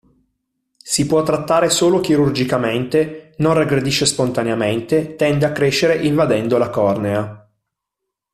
Si può trattare solo chirurgicamente, non regredisce spontaneamente, tende a crescere invadendo la cornea.